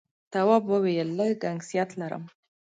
تواب وويل: لږ گنگسیت لرم.